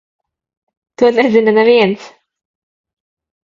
To nezina neviens.